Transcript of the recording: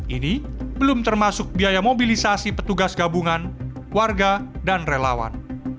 ini belum termasuk biaya mobilisasi petugas gabungan warga dan relawan